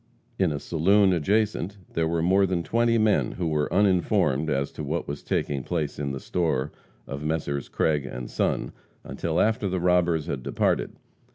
In a saloon adjacent, there were more than twenty men who were uninformed as to what was taking place in the store of Messrs. Craig & Son, until after the robbers had departed.